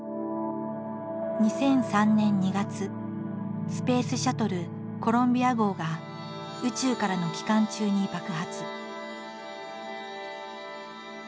２００３年２月スペースシャトルコロンビア号が宇宙からの帰還中に爆発。